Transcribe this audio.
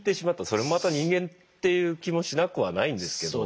それもまた人間っていう気もしなくはないんですけど。